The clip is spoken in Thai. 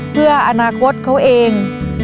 เพื่ออนาคตเขาเอง